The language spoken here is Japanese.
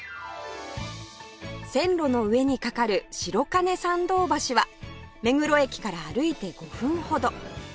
線路の上に架かる白金桟道橋は目黒駅から歩いて５分ほど